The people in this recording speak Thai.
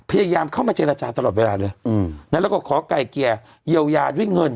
พยายามเข้ามาเจรจาตลอดเวลาเลยแล้วก็ขอไก่เกลี่ยเยียวยาด้วยเงิน